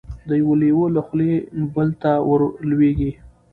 د یوه لېوه له خولې بل ته ور لوېږي